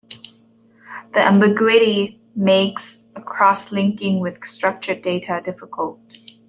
The ambiguity makes cross-linking with structured data difficult.